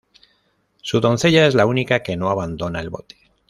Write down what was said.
Su doncella es la única que no abandona el bote.